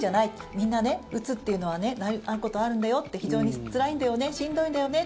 みんなね、うつっていうのはねなるようなことあるんだよって非常につらいんだよねしんどいんだよね